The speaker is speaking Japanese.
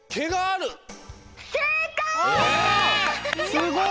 すごい！